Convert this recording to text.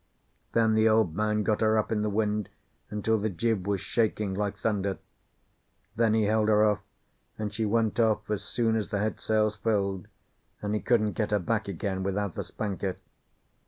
Then the Old Man got her up in the wind until the jib was shaking like thunder; then he held her off, and she went off as soon as the headsails filled, and he couldn't get her back again without the spanker.